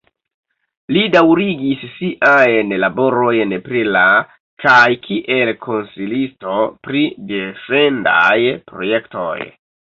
Li daŭrigis siajn laborojn pri la kaj kiel konsilisto pri defendaj projektoj.